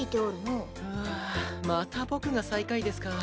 うわまた僕が最下位ですか。